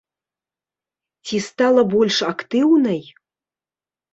Ці стала больш актыўнай?